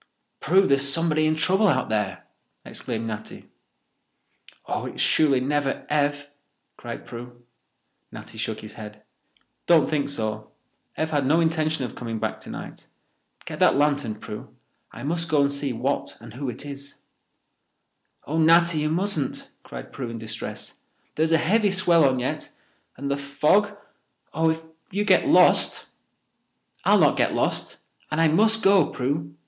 "Prue, there's somebody in trouble out there!" exclaimed Natty. "Oh, it's surely never Ev!" cried Prue. Natty shook his head. "Don't think so. Ev had no intention of coming back tonight. Get that lantern, Prue. I must go and see what and who it is." "Oh, Natty, you mustn't," cried Prue in distress. "There's a heavy swell on yet—and the fog—oh, if you get lost—" "I'll not get lost, and I must go, Prue.